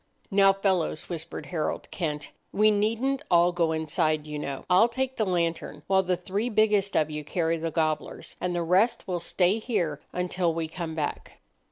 "Now, fellows," whispered Harold Kent, "we needn't all go inside, you know. I'll take the lantern, while the three biggest of you carry the gobblers, and the rest will stay here until we come back."